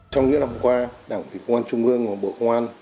trong những năm qua đảng thủy quân trung ương và bộ công an